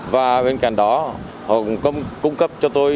và bên cạnh đó họ cũng cung cấp cho tôi